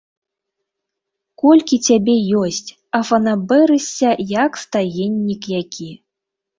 Колькі цябе ёсць, а фанабэрышся, як стаеннік які!